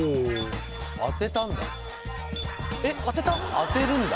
当てるんだ